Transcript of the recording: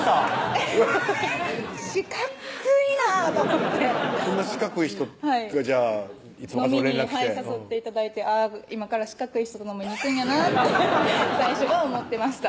フフフッ四角いなと思ってそんな四角い人がいつも連絡来て飲みに誘って頂いて今から四角い人と飲みに行くんやなって最初は思ってました